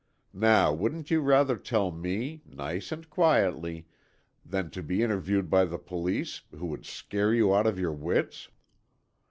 Now, wouldn't you rather tell me, nice and quietly, than to be interviewed by the police, who would scare you out of your wits?"